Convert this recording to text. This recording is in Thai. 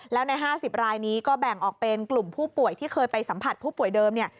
แล้วใน๕๐รายนี้ก็แบ่งออกเป็นกลุ่มผู้ป่วยที่เคยไปสัมผัสผู้ป่วยเดิมเนี่ย